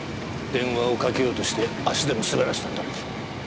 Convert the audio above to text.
電話をかけようとして足でも滑らしたんだろう。